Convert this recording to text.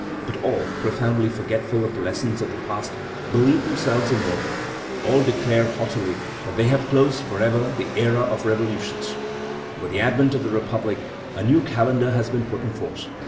But all, profoundly forgetful of the lessons of the past, believe themselves immortal. All declare haughtily that they have closed forever the era of revolutions. With the advent of the Republic a new calendar had been put in force.